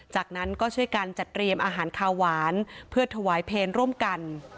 จากนั้นก็ช่วยกันจัดเตรียมอาหารคาหวานเพื่อถวายเพลงร่วมกัน